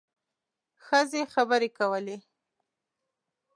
ښځې خبرې کولې.